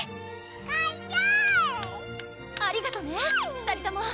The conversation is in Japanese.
かんしぇありがとね２人とも！